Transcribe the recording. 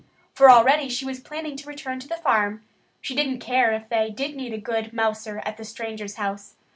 For already she was planning to return to the farm. She didn't care if they did need a good mouser at the stranger's house.